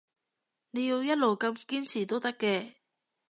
你要一路咁堅持都得嘅